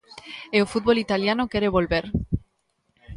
E o fútbol italiano quere volver.